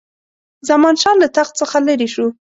زمانشاه له تخت څخه لیري شو.